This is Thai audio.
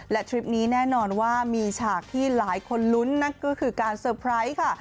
และทริปนี้แน่นอนว่ามีฉากที่หลายคนลุ้นนั่นก็คือการเตอร์ไพรส์ค่ะ